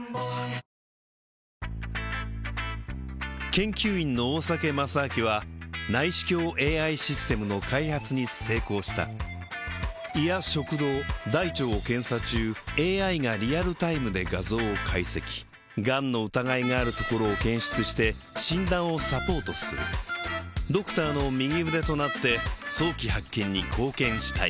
研究員の大酒正明は内視鏡ＡＩシステムの開発に成功した胃や食道大腸を検査中ＡＩがリアルタイムで画像を解析がんの疑いがあるところを検出して診断をサポートするドクターの右腕となって早期発見に貢献したい